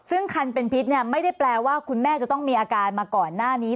ซึ่งคันเป็นพิษไม่ได้แปลว่าคุณแม่จะต้องมีอาการมาก่อนหน้านี้